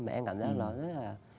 mà em cảm thấy nó rất là